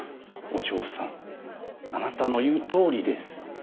お嬢さんあなたの言うとおりです。